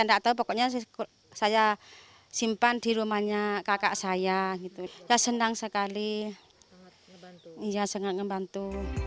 enggak tahu pokoknya saya simpan di rumahnya kakak saya gitu ya senang sekali membantu sangat membantu